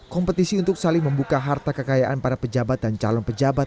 kompetisi untuk saling membuka harta kekayaan para pejabat dan calon pejabat